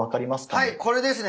はいこれですね！